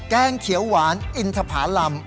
แกงเขียวหวานอินทภารำ